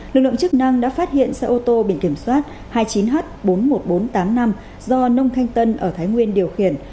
lực lượng chức năng đã phát hiện xe ô tô biển kiểm soát hai mươi chín h bốn mươi một nghìn bốn trăm tám mươi năm do nông thanh tân ở thái nguyên điều khiển